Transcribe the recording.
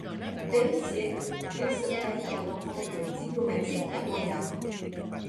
Dès le siècle, l'île se prête à des rencontres diplomatiques et royales.